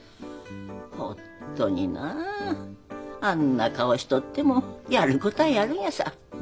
ほっとになあんな顔しとってもやることはやるんやさ。